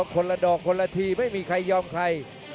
คนละดอกคนละทีไม่มีใครยอมใคร